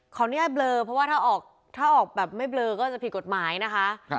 อนุญาตเบลอเพราะว่าถ้าออกแบบไม่เบลอก็จะผิดกฎหมายนะคะ